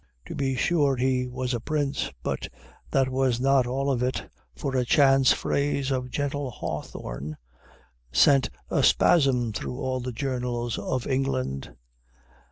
To be sure, he was a prince, but that was not all of it, for a chance phrase of gentle Hawthorne sent a spasm through all the journals of England.